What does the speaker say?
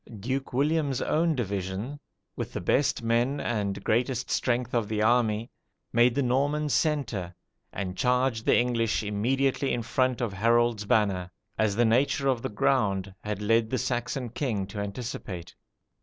Duke William's own division, with "the best men and greatest strength of the army," made the Norman centre, and charged the English immediately in front of Harold's banner, as the nature of the ground had led the Saxon king to anticipate.